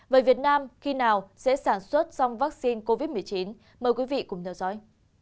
vậy việt nam khi nào sẽ sản xuất xong vaccine covid một mươi chín mời quý vị cùng theo dõi